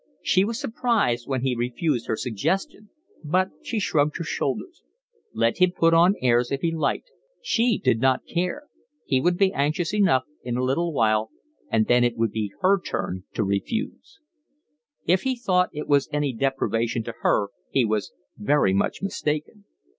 She was surprised when he refused her suggestion, but she shrugged her shoulders: let him put on airs if he liked, she did not care, he would be anxious enough in a little while, and then it would be her turn to refuse; if he thought it was any deprivation to her he was very much mistaken.